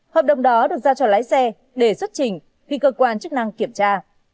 hợp đồng đó được giao cho lái xe để xuất trình khi cơ quan chức năng kiểm tra